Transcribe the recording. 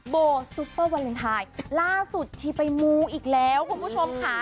โบซุปเปอร์วาเลนไทยล่าสุดชีไปมูอีกแล้วคุณผู้ชมค่ะ